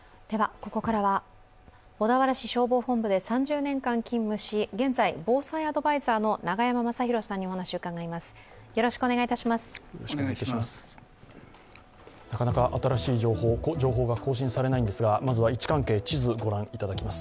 ここからは小田原市消防本部で３０年間勤務し現在防災アドバイザーの永山政広さんにお話を伺います。